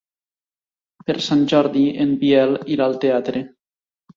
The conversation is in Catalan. Per Sant Jordi en Biel irà al teatre.